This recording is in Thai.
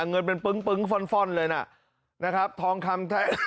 เงินเป็นปึ๋งฟนเลยน่ะ